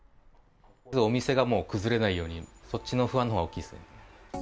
お店がもう崩れないように、そっちの不安のほうが大きいですね。